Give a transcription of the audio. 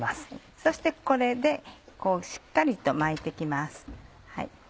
そしてこれでしっかりと巻いて行きます。